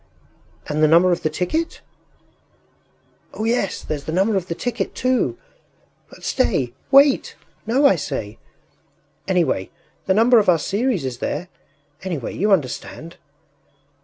” “And the number of the ticket?” “Oh, yes! There’s the number of the ticket too. But stay... wait! No, I say! Anyway, the number of our series is there! Anyway, you understand....